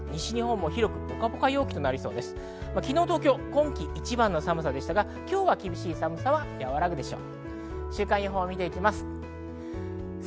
昨日、東京は今季一番の寒さでしたが、今日は厳しい寒さは和らぐでしょう。